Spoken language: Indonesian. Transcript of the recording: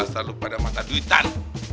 selalu pada mata duitan